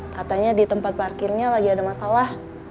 katanya di tempat parkirnya lagi ada masalah